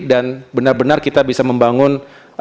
dan benar benar kita bisa membangun